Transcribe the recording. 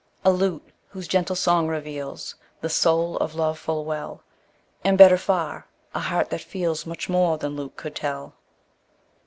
A lute whose gentle song reveals The soul of love full well; And, better far, a heart that feels Much more than lute could tell.